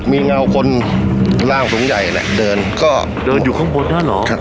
มีเงากรนน่าของถุงใหญ่น่ะเดินก็เดินอยู่ข้างบนด้านเหรอ